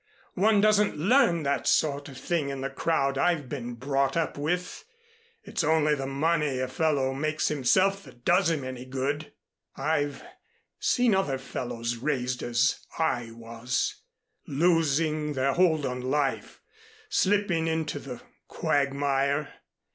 One doesn't learn that sort of thing in the crowd I've been brought up with. It's only the money a fellow makes himself that does him any good. I've seen other fellows raised as I was losing their hold on life slipping into the quagmire.